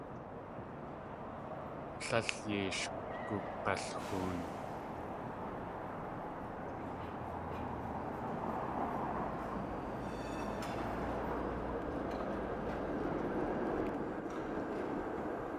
Tlél yei sh gug̲alxoon.